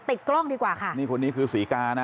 ติดกล้องดีกว่าค่ะคนนี้คือสีกานะ